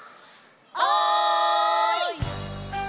「おい！」。